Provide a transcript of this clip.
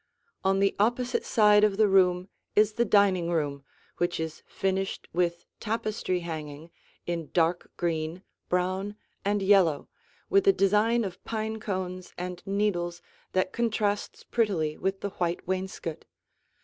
On the opposite side of the room is the dining room which is finished with tapestry hanging in dark green, brown, and yellow, with a design of pine cones and needles that contrasts prettily with the white wainscot.